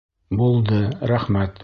Булды, рәхмәт!